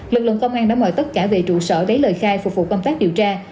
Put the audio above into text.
lực lượng công an đã mời tất cả về trụ sở lấy lời khai phục vụ công tác điều tra